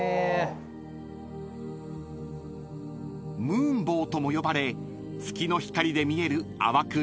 ［ムーンボウとも呼ばれ月の光で見える淡く